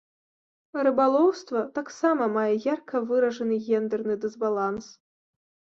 Рыбалоўства таксама мае ярка выражаны гендэрны дысбаланс.